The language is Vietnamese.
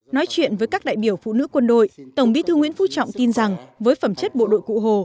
nói chuyện với các đại biểu phụ nữ quân đội tổng bí thư nguyễn phú trọng tin rằng với phẩm chất bộ đội cụ hồ